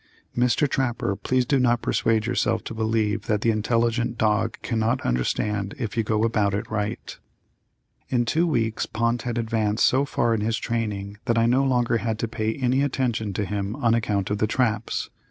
Mr. Trapper, please do not persuade yourself to believe that the intelligent dog cannot understand if you go about it right. In two weeks Pont had advanced so far in his training that I no longer had to pay any attention to him on account of the traps.